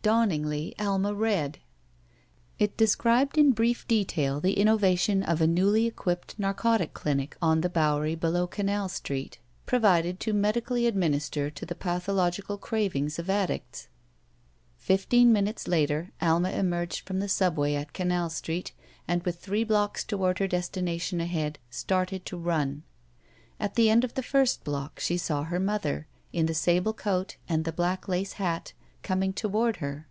Dawningly, Alma read* It described in brief detail the innovation of a newly equipped narcotic clinic on the Bowery below Canal Street, provided to medically administer to the pathological cravings of addicts. Fifteen minutes later Alma emerged from the Subway at Canal Street, and, with three blocks toward her destination ahead, started to run. At the end of the first block she saw her mother, in the sable coat and the black lace hat, coming toward her.